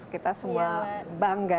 kita semua bangga